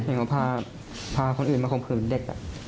เห็นว่าพาคนอื่นมาคงคืนเด็ก